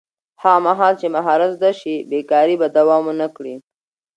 هغه مهال چې مهارت زده شي، بېکاري به دوام ونه کړي.